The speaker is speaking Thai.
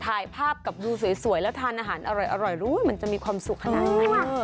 ถ่ายภาพกับดูสวยแล้วทานอาหารอร่อยมันจะมีความสุขขนาดไหน